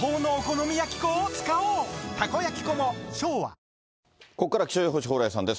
今後、ここからは気象予報士、蓬莱さんです。